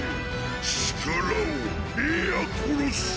力をいや殺す！